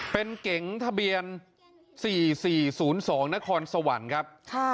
เป็นเก๋งทะเบียน๔๔๐๒นครสวรรค์ครับ